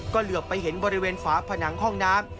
ก็เหลือไปเห็นบริเวณฝาผนังห้องน้ำ